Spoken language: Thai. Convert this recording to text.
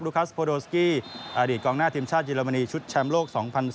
คัสโพโดสกี้อดีตกองหน้าทีมชาติเยอรมนีชุดแชมป์โลก๒๐๑๘